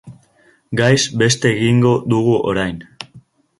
Gaiz beste egingo dugu orain.